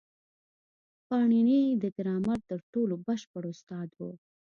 پاڼيڼى د ګرامر تر ټولو بشپړ استاد وو.